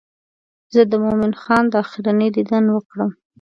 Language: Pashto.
زه د مومن خان دا آخرنی دیدن وکړم.